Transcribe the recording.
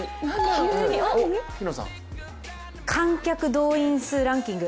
観客動員数ランキング。